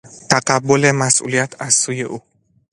تقبل مسئولیت از سوی او